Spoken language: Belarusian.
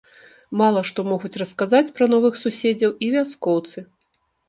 Мала што могуць расказаць пра новых суседзяў і вяскоўцы.